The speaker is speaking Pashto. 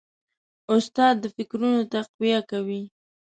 استاد د فکرونو تقویه کوي.